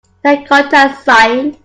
Terracotta Sighing.